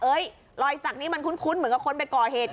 รอยสักนี้มันคุ้นเหมือนกับคนไปก่อเหตุ